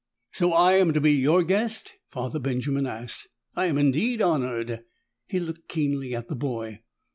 "So I am to be your guest?" Father Benjamin asked. "I am indeed honored." He looked keenly at the boy.